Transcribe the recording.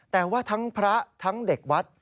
แต่ว่าทั้งพระทั้งเด็กวัด